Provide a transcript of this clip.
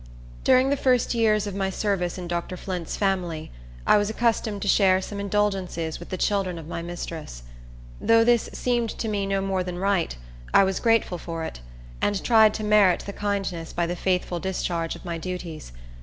During the first years of my service in Dr. Flint's family, I was accustomed to share some indulgences with the children of my mistress. Though this seemed to me no more than right, I was grateful for it, and tried to merit the kindness by the faithful discharge of my duties.